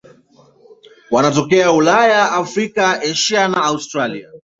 Wanatokea Ulaya, Afrika, Asia na Australia.